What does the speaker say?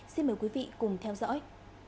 xin mời quý vị cùng theo dõi